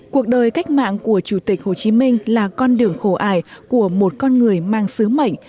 cuộc đời cách mạng của chủ tịch hồ chí minh là con đường khổ ải của một con người mang sứ mệnh